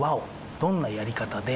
どんなやり方で。